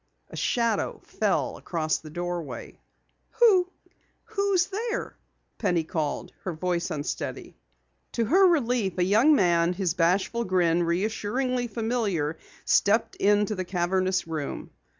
A shadow fell across the doorway. "Who who is there?" Penny called, her voice unsteady. To her relief, a young man, his bashful grin reassuringly familiar, stepped into the cavernous room.